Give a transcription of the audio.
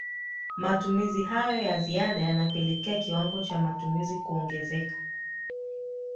matumizi hayo ya ziada yanapelekea kiwango cha matumizi kuongezea